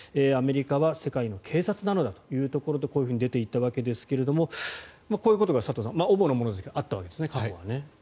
アメリカは世界の警察なのだというところでこういうふうに出ていったわけですがこういうことが佐藤さん主なものですが過去はあったわけですね。